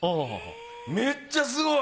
めっちゃすごい！